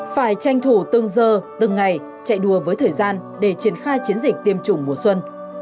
phải tranh thủ từng giờ từng ngày chạy đua với thời gian để triển khai chiến dịch tiêm chủng mùa xuân